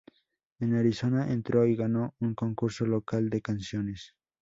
En Arizona entró y ganó un concurso local de canciones.